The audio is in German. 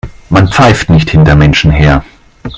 Man pfeift nicht hinter Menschen her.